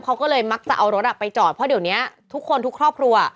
เขาก็เลยมักจะเอารถไปจอดเพราะเดี๋ยวนี้ทุกคนทุกครอบครัว